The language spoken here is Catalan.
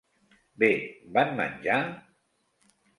Bé, van menjar?